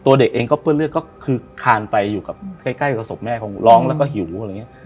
เด็กเองก็เปื้อนเลือดก็คือคานไปอยู่กับใกล้กับศพแม่คงร้องแล้วก็หิวอะไรอย่างนี้